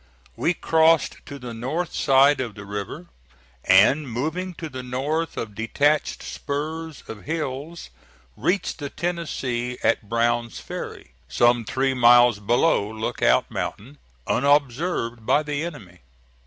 We crossed to the north side of the river, and, moving to the north of detached spurs of hills, reached the Tennessee at Brown's Ferry, some three miles below Lookout Mountain, unobserved by the enemy.